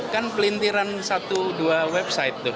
kan pelintiran satu dua website tuh